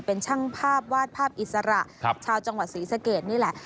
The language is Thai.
เป็นช่างภาพวาดภาพอิสระชาวจังหวัดศรีสะเกดนี่แหละ